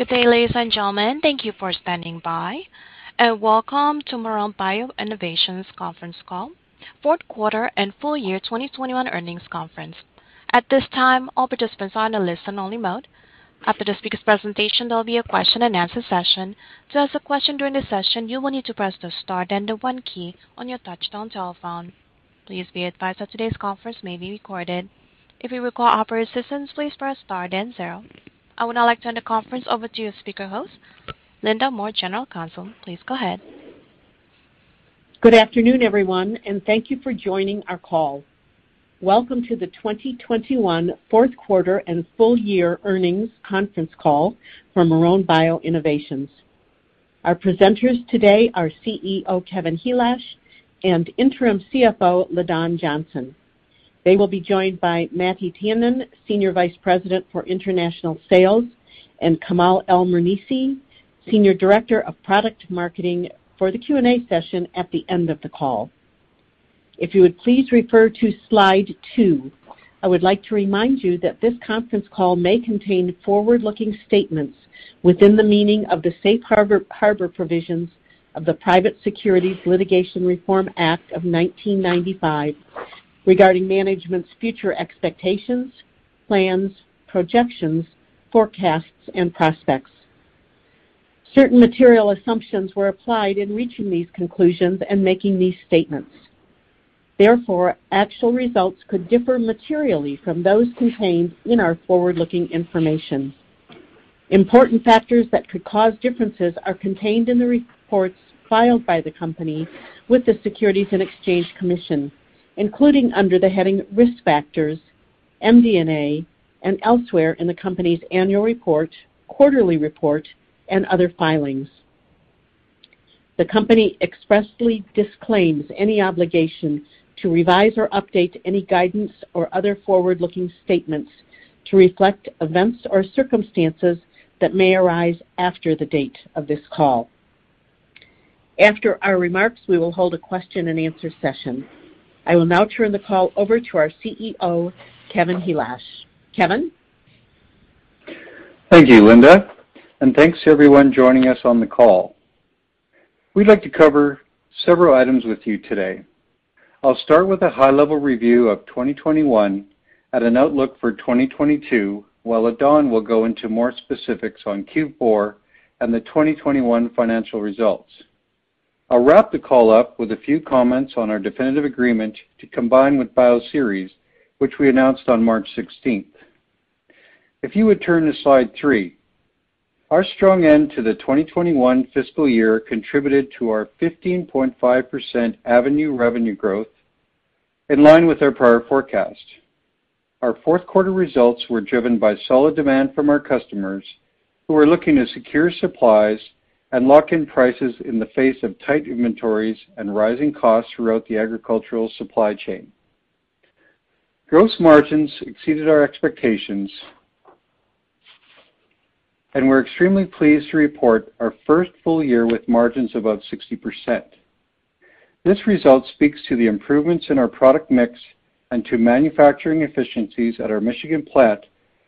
Good day, ladies and gentlemen. Thank you for standing by, and welcome to Marrone Bio Innovations conference call, fourth quarter and full year 2021 earnings conference. At this time, all participants are in a listen only mode. After the speaker's presentation, there'll be a question and answer session. To ask a question during the session, you will need to press the star then the one key on your touchtone telephone. Please be advised that today's conference may be recorded. If you require operator assistance, please press star then zero. I would now like to turn the conference over to your speaker host, Linda Moore, General Counsel. Please go ahead. Good afternoon, everyone, and thank you for joining our call. Welcome to the 2021 fourth quarter and full year earnings conference call for Marrone Bio Innovations. Our presenters today are CEO Kevin Helash and interim CFO LaDon Johnson. They will be joined by Matti Tiainen, Senior Vice President for International Sales, and Kamal El Mernissi, Senior Director of Product Marketing for the Q&A session at the end of the call. If you would please refer to slide two. I would like to remind you that this conference call may contain forward-looking statements within the meaning of the safe harbor provisions of the Private Securities Litigation Reform Act of 1995 regarding management's future expectations, plans, projections, forecasts, and prospects. Certain material assumptions were applied in reaching these conclusions and making these statements. Therefore, actual results could differ materially from those contained in our forward-looking information. Important factors that could cause differences are contained in the reports filed by the company with the Securities and Exchange Commission, including under the heading Risk Factors, MD&A and elsewhere in the company's annual report, quarterly report, and other filings. The company expressly disclaims any obligation to revise or update any guidance or other forward-looking statements to reflect events or circumstances that may arise after the date of this call. After our remarks, we will hold a question and answer session. I will now turn the call over to our CEO, Kevin Helash. Kevin? Thank you, Linda, and thanks to everyone joining us on the call. We'd like to cover several items with you today. I'll start with a high-level review of 2021 and an outlook for 2022, while LaDon will go into more specifics on Q4 and the 2021 financial results. I'll wrap the call up with a few comments on our definitive agreement to combine with Bioceres, which we announced on March 16. If you would turn to slide three. Our strong end to the 2021 fiscal year contributed to our 15.5% annual revenue growth in line with our prior forecast. Our fourth quarter results were driven by solid demand from our customers who are looking to secure supplies and lock in prices in the face of tight inventories and rising costs throughout the agricultural supply chain. Gross margins exceeded our expectations. We're extremely pleased to report our first full year with margins above 60%. This result speaks to the improvements in our product mix and to manufacturing efficiencies at our Michigan plant,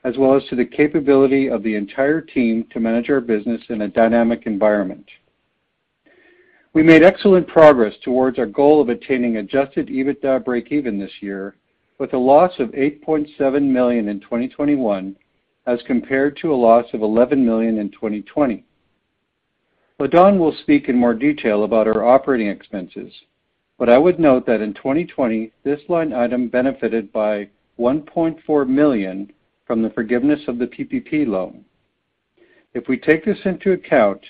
as well as to the capability of the entire team to manage our business in a dynamic environment. We made excellent progress towards our goal of attaining adjusted EBITDA breakeven this year, with a loss of $8.7 million in 2021, as compared to a loss of $11 million in 2020. LaDon will speak in more detail about our operating expenses, but I would note that in 2020, this line item benefited by $1.4 million from the forgiveness of the PPP loan. If we take this into account,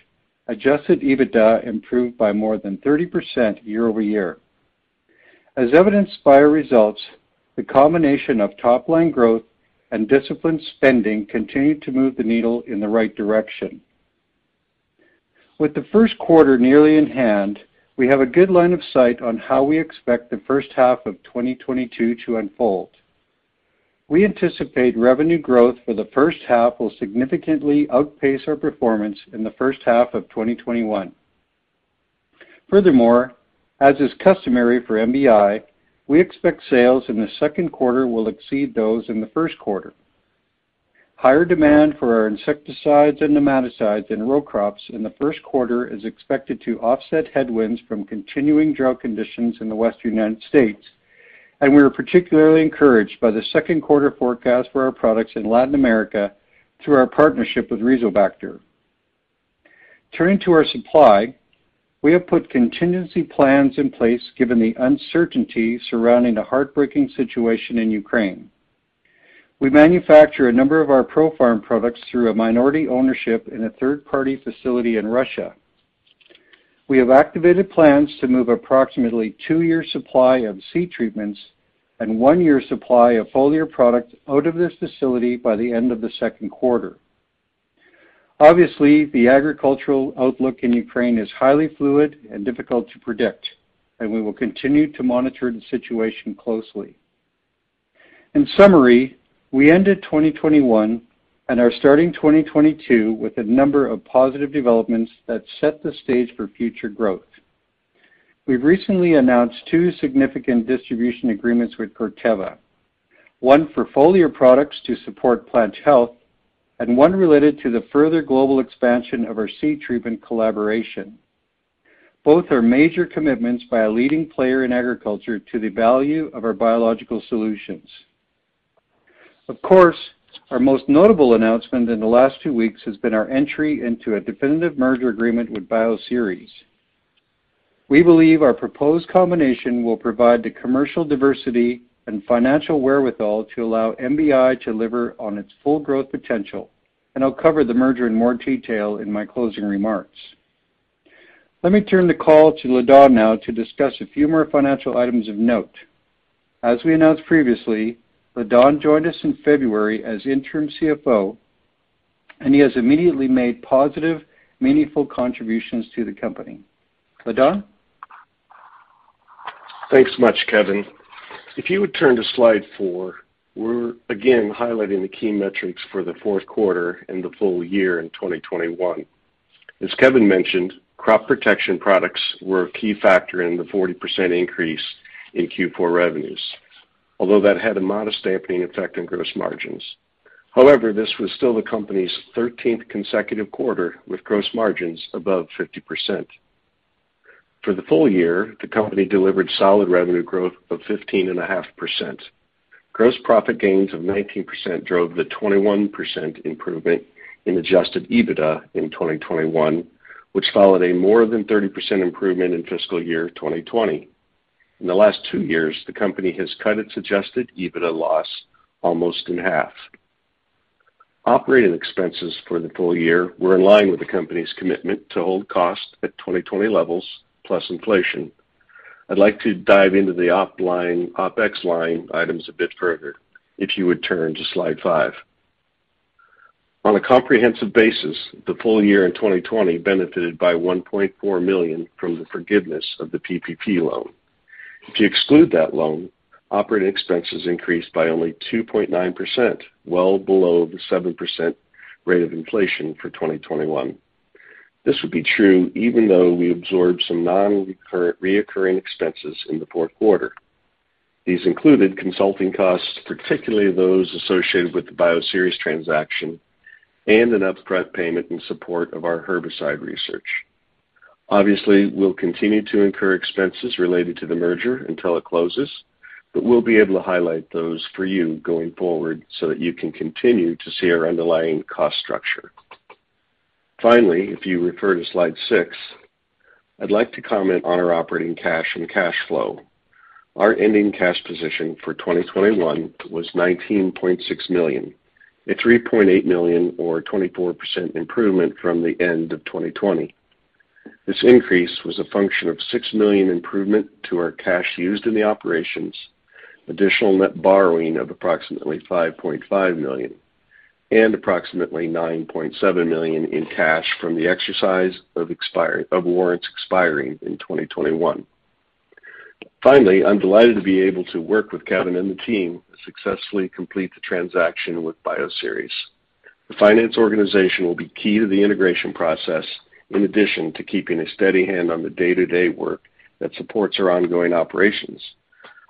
adjusted EBITDA improved by more than 30% year-over-year. As evidenced by our results, the combination of top line growth and disciplined spending continued to move the needle in the right direction. With the first quarter nearly in hand, we have a good line of sight on how we expect the first half of 2022 to unfold. We anticipate revenue growth for the first half will significantly outpace our performance in the first half of 2021. Furthermore, as is customary for MBI, we expect sales in the second quarter will exceed those in the first quarter. Higher demand for our insecticides and nematicides in row crops in the first quarter is expected to offset headwinds from continuing drought conditions in the Western United States. We are particularly encouraged by the second quarter forecast for our products in Latin America through our partnership with Rizobacter. Turning to our supply, we have put contingency plans in place given the uncertainty surrounding the heartbreaking situation in Ukraine. We manufacture a number of our Pro Farm products through a minority ownership in a third-party facility in Russia. We have activated plans to move approximately two-year supply of seed treatments and one-year supply of foliar products out of this facility by the end of the second quarter. Obviously, the agricultural outlook in Ukraine is highly fluid and difficult to predict, and we will continue to monitor the situation closely. In summary, we ended 2021 and are starting 2022 with a number of positive developments that set the stage for future growth. We've recently announced two significant distribution agreements with Corteva. One for foliar products to support plant health, and one related to the further global expansion of our seed treatment collaboration. Both are major commitments by a leading player in agriculture to the value of our biological solutions. Of course, our most notable announcement in the last two weeks has been our entry into a definitive merger agreement with Bioceres. We believe our proposed combination will provide the commercial diversity and financial wherewithal to allow MBI to deliver on its full growth potential. I'll cover the merger in more detail in my closing remarks. Let me turn the call to LaDon now to discuss a few more financial items of note. As we announced previously, LaDon joined us in February as interim CFO, and he has immediately made positive, meaningful contributions to the company. LaDon? Thanks much, Kevin. If you would turn to slide four, we're again highlighting the key metrics for the fourth quarter and the full year in 2021. As Kevin mentioned, crop protection products were a key factor in the 40% increase in Q4 revenues, although that had a modest dampening effect on gross margins. However, this was still the company's 13th consecutive quarter with gross margins above 50%. For the full year, the company delivered solid revenue growth of 15.5%. Gross profit gains of 19% drove the 21% improvement in adjusted EBITDA in 2021, which followed a more than 30% improvement in fiscal year 2020. In the last two years, the company has cut its adjusted EBITDA loss almost in half. Operating expenses for the full year were in line with the company's commitment to hold costs at 2020 levels plus inflation. I'd like to dive into the OpEx line items a bit further if you would turn to slide five. On a comprehensive basis, the full year in 2020 benefited by $1.4 million from the forgiveness of the PPP loan. If you exclude that loan, operating expenses increased by only 2.9%, well below the 7% rate of inflation for 2021. This would be true even though we absorbed some non-recurring expenses in the fourth quarter. These included consulting costs, particularly those associated with the Bioceres transaction and an upfront payment in support of our herbicide research. Obviously, we'll continue to incur expenses related to the merger until it closes, but we'll be able to highlight those for you going forward so that you can continue to see our underlying cost structure. Finally, if you refer to slide six, I'd like to comment on our operating cash and cash flow. Our ending cash position for 2021 was $19.6 million, a $3.8 million or 24% improvement from the end of 2020. This increase was a function of $6 million improvement to our cash used in the operations, additional net borrowing of approximately $5.5 million, and approximately $9.7 million in cash from the exercise of warrants expiring in 2021. Finally, I'm delighted to be able to work with Kevin and the team to successfully complete the transaction with Bioceres. The finance organization will be key to the integration process, in addition to keeping a steady hand on the day-to-day work that supports our ongoing operations.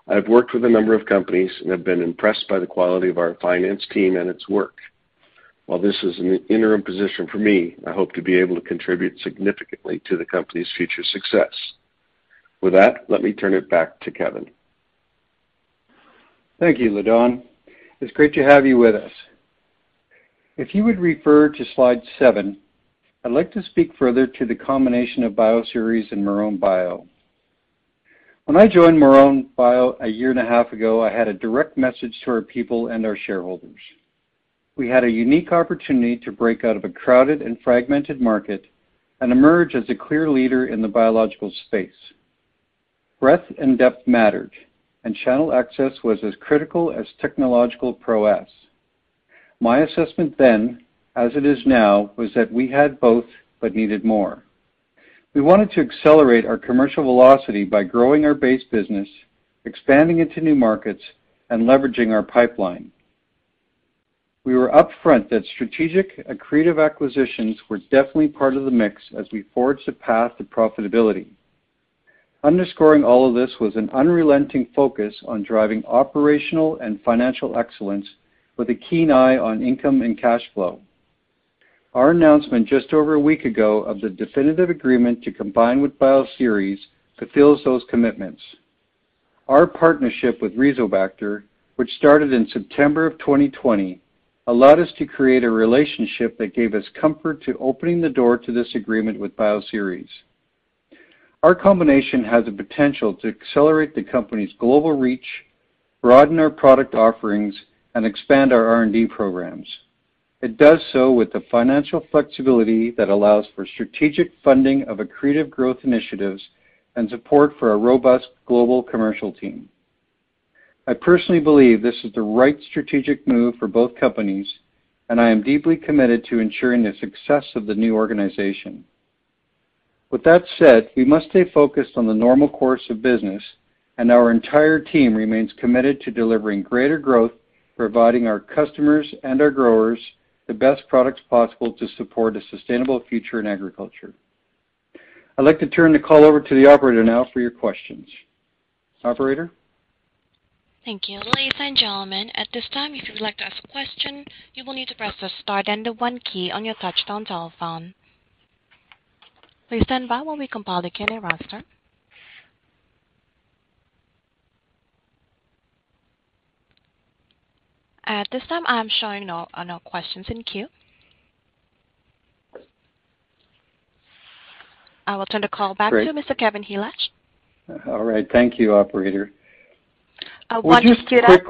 I've worked with a number of companies and have been impressed by the quality of our finance team and its work. While this is an interim position for me, I hope to be able to contribute significantly to the company's future success. With that, let me turn it back to Kevin. Thank you, LaDon. It's great to have you with us. If you would refer to slide seven, I'd like to speak further to the combination of Bioceres and Marrone Bio. When I joined Marrone Bio a year and a half ago, I had a direct message to our people and our shareholders. We had a unique opportunity to break out of a crowded and fragmented market and emerge as a clear leader in the biological space. Breadth and depth mattered, and channel access was as critical as technological prowess. My assessment then, as it is now, was that we had both but needed more. We wanted to accelerate our commercial velocity by growing our base business, expanding into new markets, and leveraging our pipeline. We were upfront that strategic accretive acquisitions were definitely part of the mix as we forged a path to profitability. Underscoring all of this was an unrelenting focus on driving operational and financial excellence with a keen eye on income and cash flow. Our announcement just over a week ago of the definitive agreement to combine with Bioceres fulfills those commitments. Our partnership with Rizobacter, which started in September of 2020, allowed us to create a relationship that gave us comfort to opening the door to this agreement with Bioceres. Our combination has the potential to accelerate the company's global reach, broaden our product offerings, and expand our R&D programs. It does so with the financial flexibility that allows for strategic funding of accretive growth initiatives and support for a robust global commercial team. I personally believe this is the right strategic move for both companies, and I am deeply committed to ensuring the success of the new organization. With that said, we must stay focused on the normal course of business. Our entire team remains committed to delivering greater growth, providing our customers and our growers the best products possible to support a sustainable future in agriculture. I'd like to turn the call over to the operator now for your questions. Operator? Thank you. Ladies and gentlemen, at this time, if you'd like to ask a question, you will need to press the star then the 1 key on your touchtone telephone. Please stand by while we compile the candidate roster. At this time, I'm showing no questions in queue. I will turn the call back to Mr. Kevin Helash. All right. Thank you, operator. One just queued up.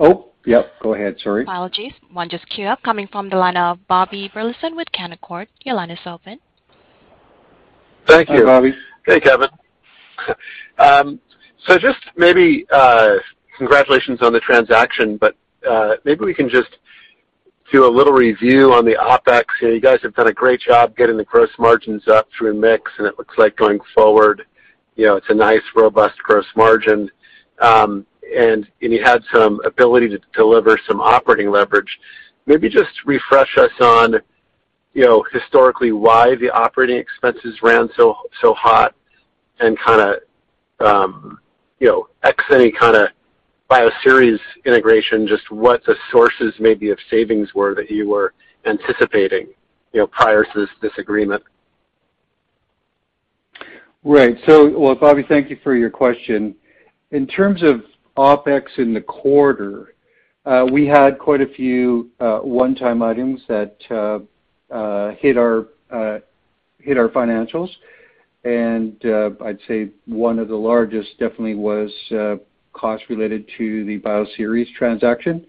Oh, yep, go ahead, sorry. Apologies. One just queued up, coming from the line of Bobby Burleson with Canaccord. Your line is open. Thank you. Hi, Bobby. Hey, Kevin. Just maybe, congratulations on the transaction, but maybe we can just do a little review on the OpEx. You know, you guys have done a great job getting the gross margins up through mix, and it looks like going forward, you know, it's a nice, robust gross margin. And you had some ability to deliver some operating leverage. Maybe just refresh us on, you know, historically why the operating expenses ran so hot and ex any kinda Bioceres integration, just what the sources maybe of savings were that you were anticipating, you know, prior to this agreement. Well, Bobby, thank you for your question. In terms of OpEx in the quarter, we had quite a few one-time items that hit our financials. I'd say one of the largest definitely was costs related to the Bioceres transaction.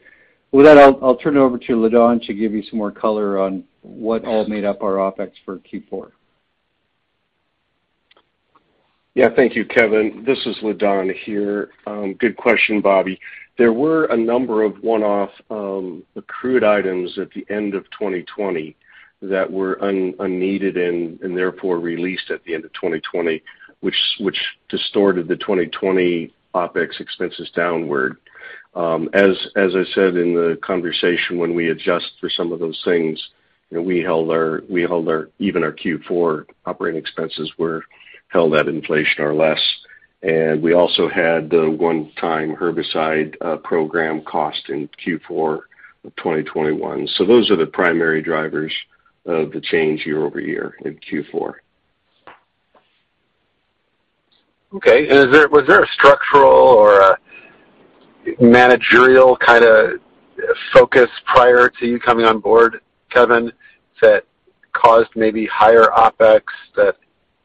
With that, I'll turn it over to LaDon to give you some more color on what all made up our OpEx for Q4. Yeah. Thank you, Kevin. This is LaDon here. Good question, Bobby. There were a number of one-off accrued items at the end of 2020 that were unneeded and therefore released at the end of 2020, which distorted the 2020 OpEx expenses downward. As I said in the conversation, when we adjust for some of those things, you know, we held our even our Q4 operating expenses were held at inflation or less. We also had the one-time herbicide program cost in Q4 of 2021. Those are the primary drivers of the change year-over-year in Q4. Okay. Was there a structural or a managerial kinda focus prior to you coming on board, Kevin, that caused maybe higher OpEx that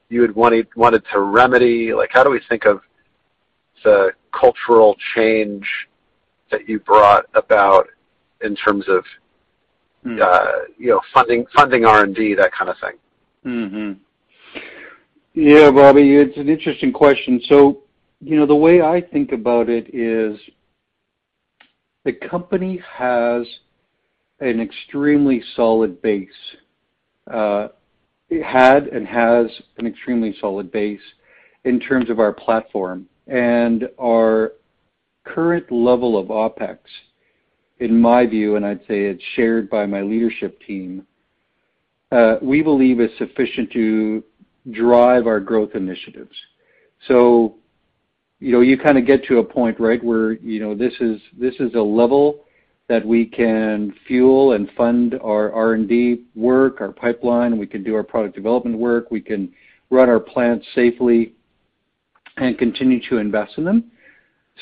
you wanted to remedy? Like, how do we think of the cultural change that you brought about in terms of- Mm. You know, funding R&D, that kind of thing? Yeah, Bobby, it's an interesting question. You know, the way I think about it is the company has an extremely solid base. It had and has an extremely solid base in terms of our platform. Our current level of OpEx, in my view, and I'd say it's shared by my leadership team, we believe is sufficient to drive our growth initiatives. You know, you kinda get to a point, right, where, you know, this is a level that we can fuel and fund our R&D work, our pipeline, and we can do our product development work. We can run our plants safely and continue to invest in them.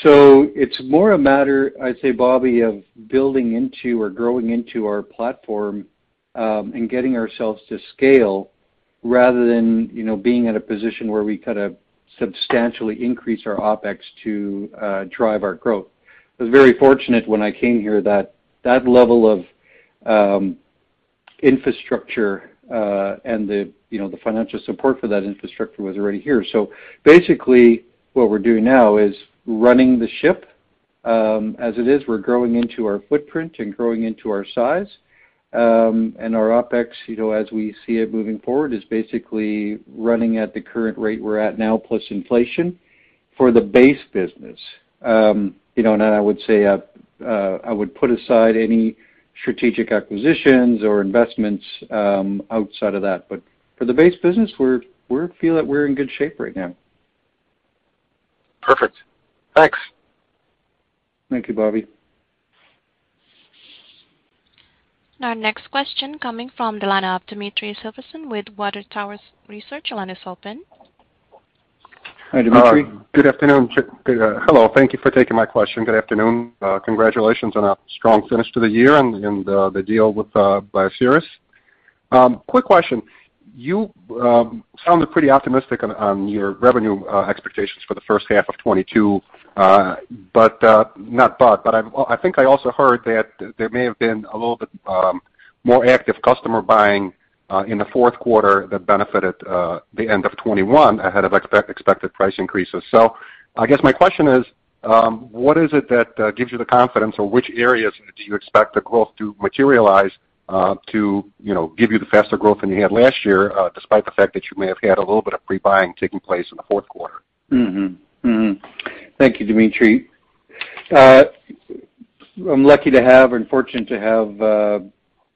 It's more a matter, I'd say, Bobby, of building into or growing into our platform, and getting ourselves to scale rather than, you know, being at a position where we kinda substantially increase our OpEx to drive our growth. I was very fortunate when I came here that that level of infrastructure, and the, you know, the financial support for that infrastructure was already here. Basically, what we're doing now is running the ship as it is. We're growing into our footprint and growing into our size. Our OpEx, you know, as we see it moving forward, is basically running at the current rate we're at now plus inflation for the base business. You know, I would say, I would put aside any strategic acquisitions or investments outside of that. For the base business, we feel that we're in good shape right now. Perfect. Thanks. Thank you, Bobby. Our next question coming from the line of Dmitry Silversteyn with Water Tower Research. Your line is open. Hi, Dmitry. Good afternoon. Hello, thank you for taking my question. Good afternoon. Congratulations on a strong finish to the year and the deal with Bioceres. Quick question. You sounded pretty optimistic on your revenue expectations for the first half of 2022, but I've, I think I also heard that there may have been a little bit more active customer buying in the fourth quarter that benefited the end of 2021 ahead of expected price increases. I guess my question is, what is it that gives you the confidence or which areas do you expect the growth to materialize, to give you the faster growth than you had last year, despite the fact that you may have had a little bit of pre-buying taking place in the fourth quarter? Thank you, Dmitry. I'm lucky to have and fortunate to have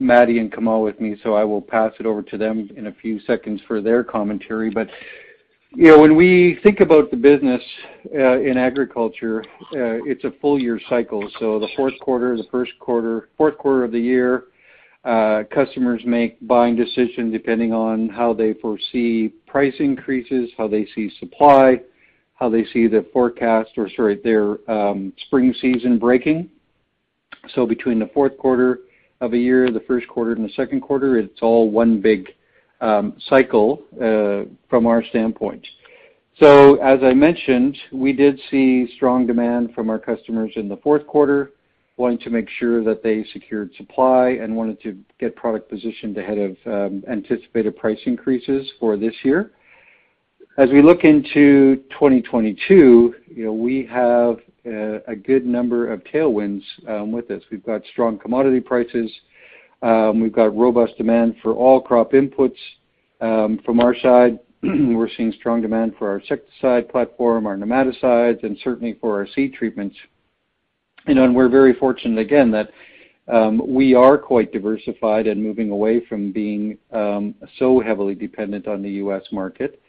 Matti and Kamal with me, so I will pass it over to them in a few seconds for their commentary. You know, when we think about the business in agriculture, it's a full year cycle. The fourth quarter, the first quarter. Fourth quarter of the year, customers make buying decisions depending on how they foresee price increases, how they see supply, how they see the forecast, their spring season breaking. Between the fourth quarter of a year, the first quarter, and the second quarter, it's all one big cycle from our standpoint. As I mentioned, we did see strong demand from our customers in the fourth quarter wanting to make sure that they secured supply and wanted to get product positioned ahead of anticipated price increases for this year. As we look into 2022, you know, we have a good number of tailwinds with us. We've got strong commodity prices. We've got robust demand for all crop inputs. From our side, we're seeing strong demand for our insecticide platform, our nematicides and certainly for our seed treatments. You know, we're very fortunate again that we are quite diversified and moving away from being so heavily dependent on the U.S. market.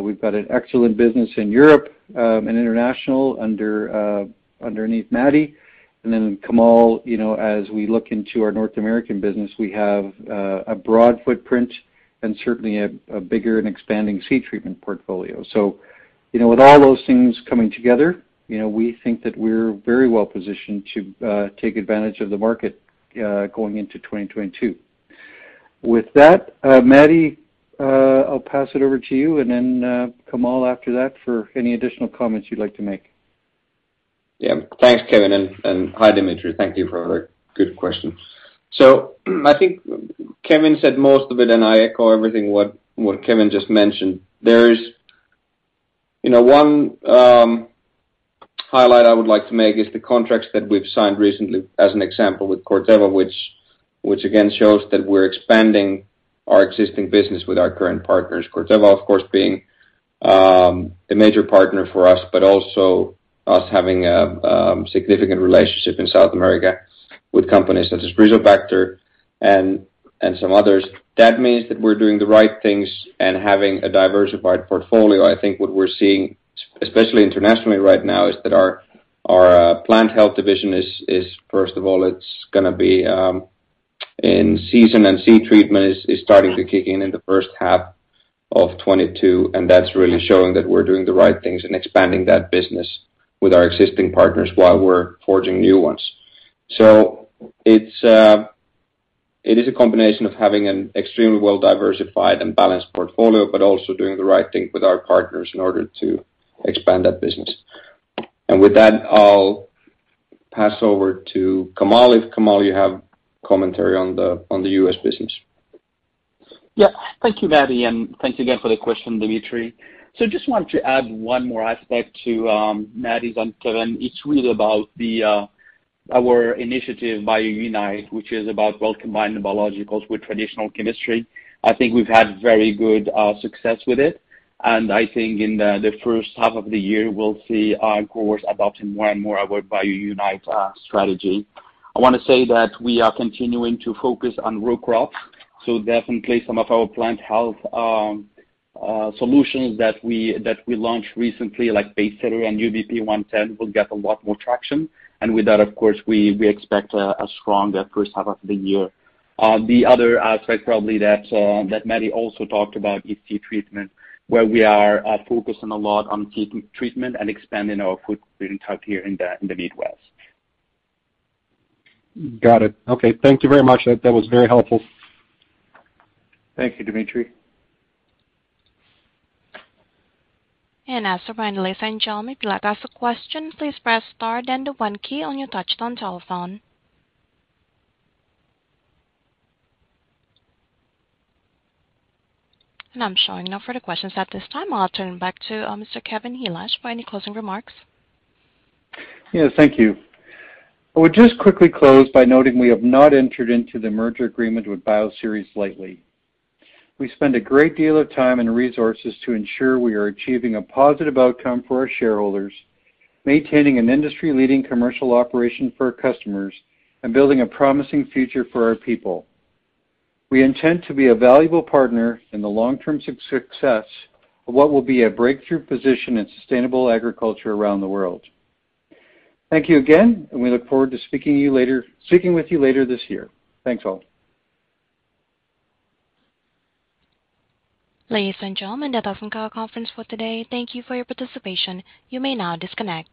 We've got an excellent business in Europe and international under Matti. Then Kamal, you know, as we look into our North American business, we have a broad footprint and certainly a bigger and expanding seed treatment portfolio. You know, with all those things coming together, you know, we think that we're very well-positioned to take advantage of the market going into 2022. With that, Matti, I'll pass it over to you and then Kamal after that for any additional comments you'd like to make. Yeah. Thanks, Kevin, and hi, Dmitry. Thank you for a good question. I think Kevin said most of it, and I echo everything what Kevin just mentioned. There is, you know, one highlight I would like to make is the contracts that we've signed recently, as an example with Corteva, which again shows that we're expanding our existing business with our current partners. Corteva, of course, being a major partner for us, but also us having significant relationship in South America with companies such as Rizobacter and some others. That means that we're doing the right things and having a diversified portfolio. I think what we're seeing, especially internationally right now, is that our plant health division is first of all, it's gonna be in season and seed treatment is starting to kick in in the first half of 2022, and that's really showing that we're doing the right things and expanding that business with our existing partners while we're forging new ones. It's it is a combination of having an extremely well-diversified and balanced portfolio, but also doing the right thing with our partners in order to expand that business. With that, I'll pass over to Kamal. If Kamal, you have commentary on the U.S. business. Yeah. Thank you, Matti, and thanks again for the question, Dmitry. Just wanted to add one more aspect to Matti's and Kevin. It's really about our initiative, BioUnite, which is about well combined biologicals with traditional chemistry. I think we've had very good success with it, and I think in the first half of the year, we'll see our growers adopting more and more our BioUnite strategy. I wanna say that we are continuing to focus on row crops, so definitely some of our plant health solutions that we launched recently, like Pacesetter and MBI-110 will get a lot more traction. With that, of course, we expect a strong first half of the year. The other aspect probably that Matti also talked about is seed treatment, where we are focusing a lot on seed treatment and expanding our footprint out here in the Midwest. Got it. Okay. Thank you very much. That was very helpful. Thank you, Dmitry. As for finally, ladies and gentlemen, if you'd like to ask a question, please press star then the one key on your touchtone telephone. I'm showing no further questions at this time. I'll turn back to Mr. Kevin Helash for any closing remarks. Yeah. Thank you. I would just quickly close by noting we have not entered into the merger agreement with Bioceres lately. We spend a great deal of time and resources to ensure we are achieving a positive outcome for our shareholders, maintaining an industry-leading commercial operation for our customers, and building a promising future for our people. We intend to be a valuable partner in the long-term success of what will be a breakthrough position in sustainable agriculture around the world. Thank you again, and we look forward to speaking with you later this year. Thanks, all. Ladies and gentlemen, that does conclude our conference for today. Thank you for your participation. You may now disconnect.